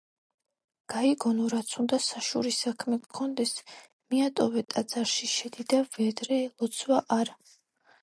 გაიგონო რაც უნდა საშური საქმე გქონდეს მიატოვე ტაძარში შედი და ვიდრე ლოცვა არ